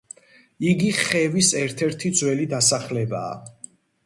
იგი ხევის ერთ-ერთი ძველი დასახლებაა.